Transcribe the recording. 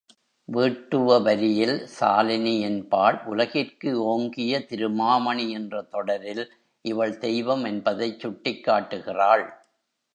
வேட்டுவ வரியில் சாலினி என்பாள் உலகிற்கு ஓங்கிய திருமாமணி என்ற தொடரில் இவள் தெய்வம் என்பதைச் சுட்டிக் காட்டுகிறாள்.